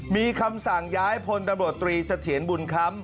มีคำสั่งย้ายพทตศบค